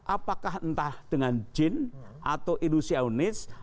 apakah entah dengan jin atau ilusionis